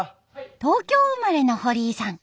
東京生まれの堀井さん